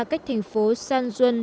cách thành phố san juan